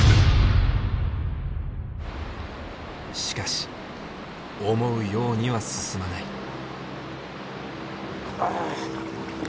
しかし思うようには進まない。